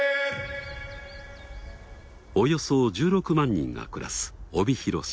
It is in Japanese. およそ１６万人が暮らす帯広市。